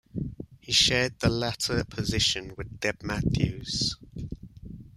He shared the latter position with Deb Matthews.